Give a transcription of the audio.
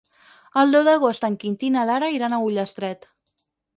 El deu d'agost en Quintí i na Lara iran a Ullastret.